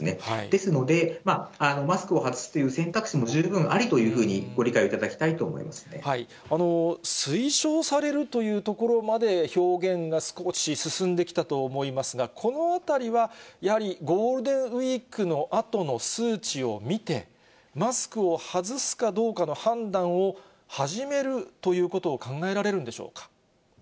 ですので、マスクを外すという選択肢も十分ありというふうに、推奨されるというところまで表現が少し進んできたと思いますが、このあたりは、やはりゴールデンウィークのあとの数値を見て、マスクを外すかどうかの判断を始めるということを考えられるんでしょうか。